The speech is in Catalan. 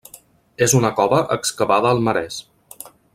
És una cova excavada al marès.